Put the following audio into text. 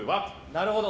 なるほど。